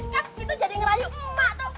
kan situ jadi ngerayu emak tuh